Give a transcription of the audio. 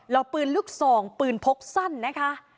แล้วปืนลูกซองปืนพกสั้นนะคะ